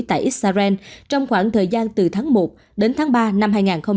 tại israel trong khoảng thời gian từ tháng một đến tháng ba năm hai nghìn hai mươi